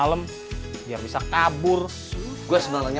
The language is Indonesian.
pasti saya tidak akan seperti ini